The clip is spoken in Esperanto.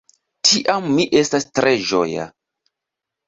Tiam mi estas tre ĝoja.